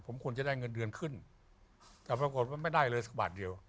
ผมควรจะได้เงินเดือนขึ้นแต่ปรากฏว่าไม่ได้เลยสักบาทเดียว